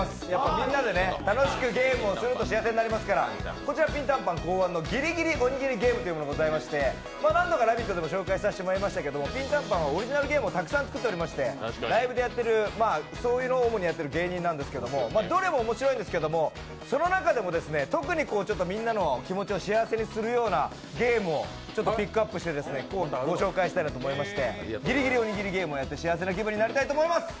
みんなで楽しくゲームをすると幸せになりますからこちらピンタンパン考案のギリギリおにぎりゲームというのがございまして、何度か「ラヴィット！」でも紹介させてもらいましたけれども、ピンタンパンはオリジナルゲームをたくさん考案しておりましてライブでやっている、そういうのを主にやってる芸人なんですけれども、どれも面白いんですけどもその中でも特にみんなの気持ちを幸せにするようなゲームをちょっとピックアップしてご紹介したいなと思いまして、ギリギリおにぎりゲームをやって幸せな気分になりたいと思います。